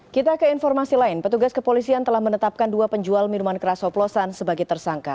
kita ke informasi lain petugas kepolisian telah menetapkan dua penjual minuman keras oplosan sebagai tersangka